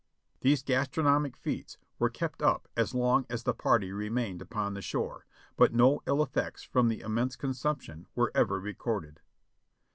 These gastronomic feats were kept up as long as the party remained upon the shore, and no ill effects from the immense consumption were ever recorded.